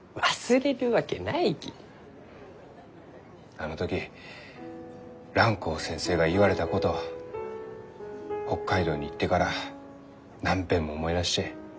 あの時蘭光先生が言われたこと北海道に行ってから何べんも思い出して。